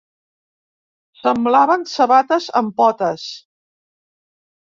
Semblaven sabates amb potes.